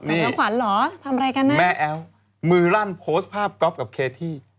กับมันขวัญหรอทำอะไรกันนะแม่แอ้วมือรั่นโพสต์ภาพกับเคที่